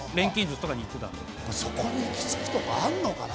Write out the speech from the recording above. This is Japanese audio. そこに行き着くとこあんのかな